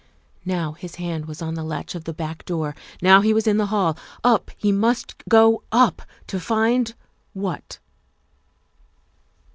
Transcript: Now his hand was on the latch of the back door ; now he was in the hall ; up he must go up to find what